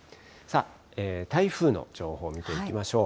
台風の情報を見ていきましょう。